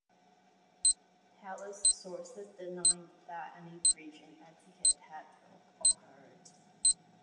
Palace sources denied that any breach in etiquette had occurred.